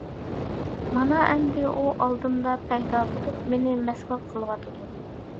مانا ئەمدى ئۇ ئالدىمدا پەيدا بولۇپ، مېنى مەسخىرە قىلىۋاتىدۇ!